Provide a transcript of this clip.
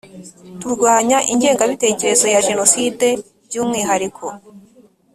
turwanya ingengabitekerezo ya Jenoside by umwihariko